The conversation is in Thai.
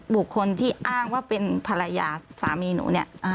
บุคคลที่อ้างว่าเป็นผลายาสามีหนู